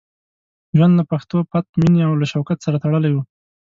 ژوند له پښتو، پت، مینې او شوکت سره تړلی وو.